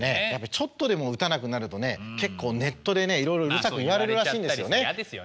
ちょっとでも打たなくなるとね結構ネットでねいろいろうるさく言われるらしいんですよね。